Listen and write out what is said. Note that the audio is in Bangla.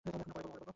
এখন না, পরে বলব।